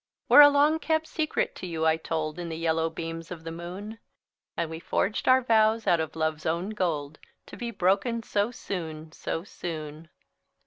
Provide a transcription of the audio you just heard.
Where a long kept secret to you I told, In the yellow beams of the moon, And we forged our vows out of love's own gold, To be broken so soon, so soon!